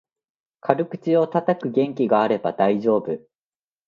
軽口をたたく元気があれば大丈夫